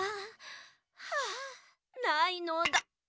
はあないのだ。